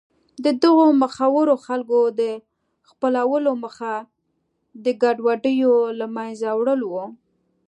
د دغو مخورو خلکو د خپلولو موخه د ګډوډیو له منځه وړل و.